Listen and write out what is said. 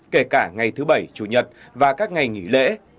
kể cả ngày thứ bảy chủ nhật và các ngày nghỉ lễ